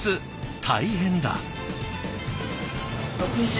大変だ。